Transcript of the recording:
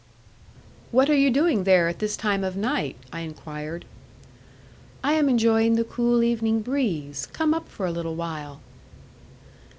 "What are you doing there at this time of night?" I enquired. "I am enjoying the cool evening breeze. Come up for a little while."